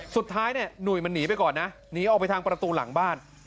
สุดท้ายเนี่ยหนุ่ยมันหนีไปก่อนนะหนีออกไปทางประตูหลังบ้าน